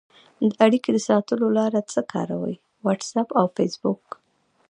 د اړیکې د ساتلو لاره څه کاروئ؟ واټساپ او فیسبوک